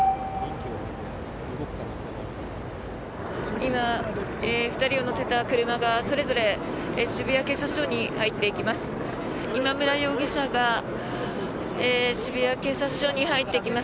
今、２人を乗せた車がそれぞれ、渋谷警察署に入っていきます。